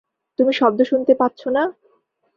তুমি শব্দ শুনতে পাচ্ছ না?